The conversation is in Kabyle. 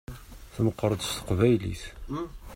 Tmeqqeṛ-d s teqbaylit.